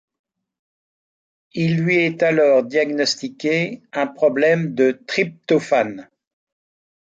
Il lui est alors diagnostiqué un problème de tryptophane.